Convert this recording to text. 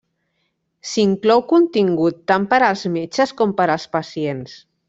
S'inclou contingut tant per als metges com per als pacients.